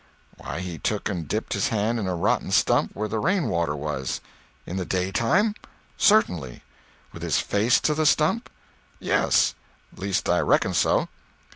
"Why, he took and dipped his hand in a rotten stump where the rain water was." "In the daytime?" "Certainly." "With his face to the stump?" "Yes. Least I reckon so."